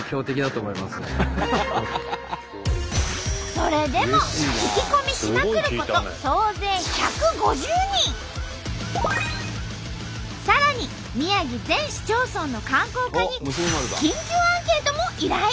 それでも聞き込みしまくることさらに宮城全市町村の観光課に緊急アンケートも依頼！